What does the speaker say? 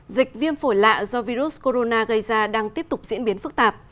dịch viêm phổi lạ do virus corona gây ra đang tiếp tục diễn biến phức tạp